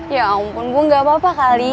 ya ampun gue gak apa apa kali